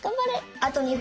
あと２ほ。